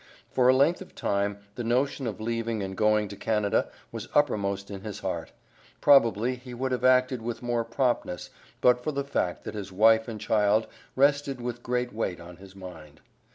For a length of time, the notion of leaving and going to Canada was uppermost in his heart; probably he would have acted with more promptness but for the fact that his wife and child rested with great weight on his mind.